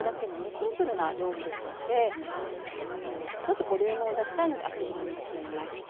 シンプルな料理ですのでちょっとボリュームを出したいので厚切りにしています。